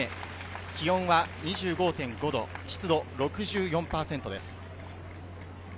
気温は２５．５度、湿度６４％です。